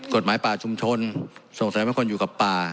กฎหมายป่าชุมชนส่งเสริมให้คนอยู่กับป่า